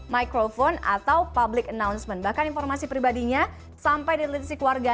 microphone atau public announcement bahkan informasi pribadinya sampai ditelisik warga